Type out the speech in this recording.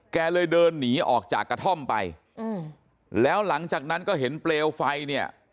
แกเลยเดินหนีออกจากกระท่อมไปแล้วหลังจากนั้นก็เห็นเปลวไฟเนี่ย